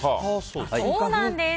そうなんです。